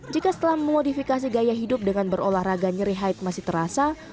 jika setelah memodifikasi gaya hidup dengan berolahraga nyeri hide masih terasa